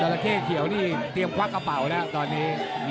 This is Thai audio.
ละเข้เขียวนี่เตรียมควักกระเป๋าแล้วตอนนี้